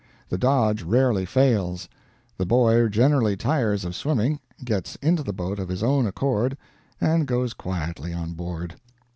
The dodge rarely fails. The boy generally tires of swimming, gets into the boat of his own accord, and goes quietly on board."